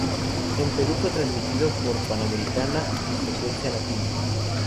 En Perú fue transmitido por Panamericana y Frecuencia Latina.